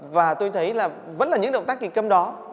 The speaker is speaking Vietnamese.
và tôi thấy là vẫn là những động tác kịch câm đó